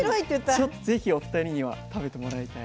ちょっとぜひお二人には食べてもらいたい。